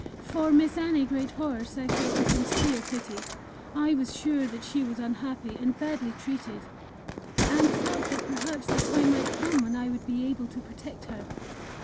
For Miss Annie Greathorse I felt a sincere pity; I was sure that she was unhappy and badly treated, and thought that perhaps the time might come when I would be able to protect her.